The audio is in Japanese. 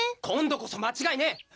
今度こそ間違いねえ！